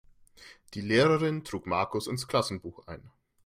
Die Lehrerin trug Markus ins Klassenbuch ein.